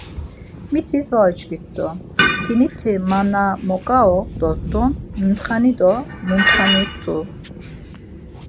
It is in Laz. Mitis var uçkit̆u, mtiniti ma na moǩau dort̆un mintxani do muntxani t̆u.